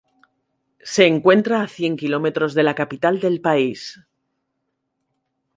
Se encuentra a cien kilómetros de la capital del país.